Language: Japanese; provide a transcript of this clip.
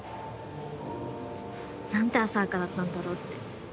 何て浅はかだったんだろうって。